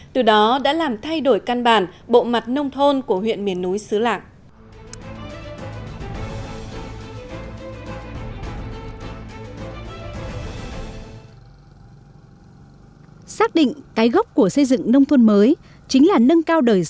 từ đó đã làm thay đổi căn bản bộ mặt nông thôn của huyện miền núi xứ lạng